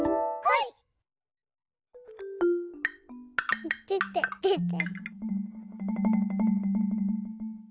いてててて。